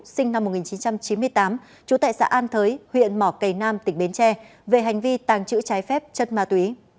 sinh năm một nghìn chín trăm chín mươi tám trú tại xã an thới huyện mỏ cầy nam tỉnh bến tre về hành vi tàng trữ trái phép chất ma túy